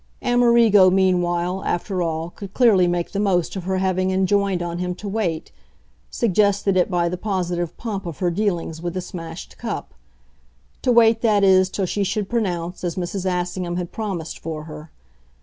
Amerigo, meanwhile, after all, could clearly make the most of her having enjoined on him to wait suggested it by the positive pomp of her dealings with the smashed cup; to wait, that is, till she should pronounce as Mrs. Assingham had promised for her.